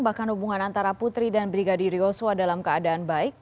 bahkan hubungan antara putri dan brigadir yosua dalam keadaan baik